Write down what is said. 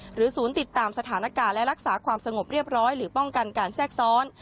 ศูนย์ติดตามสถานการณ์และรักษาความสงบเรียบร้อยหรือป้องกันการแทรกซ้อน